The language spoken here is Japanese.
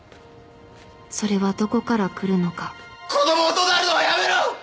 それはどこから来るのか子どもをどなるのはやめろ！